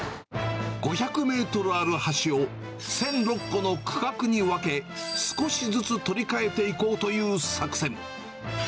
５００メートルある橋を、１００６個の区画に分け、少しずつ取り替えていこうという作戦。